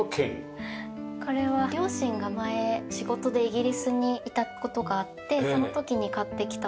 これは両親が前仕事でイギリスにいた事があってその時に買ってきたものを。